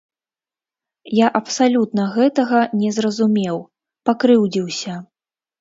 Я абсалютна гэтага не зразумеў, пакрыўдзіўся.